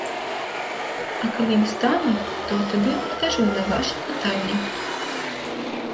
А калі ім стану, то тады адкажу на ваша пытанне.